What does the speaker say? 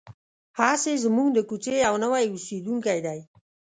هسې زموږ د کوڅې یو نوی اوسېدونکی دی.